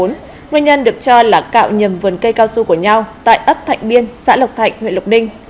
nguyên nhân được cho là cạo nhầm vườn cây cao su của nhau tại ấp thạnh biên xã lộc thạnh huyện lộc ninh